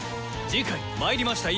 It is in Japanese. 次回「魔入りました！